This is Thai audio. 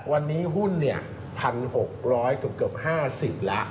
วันนี้หุ้น๑๖๐๐เกือบ๕๐แล้ว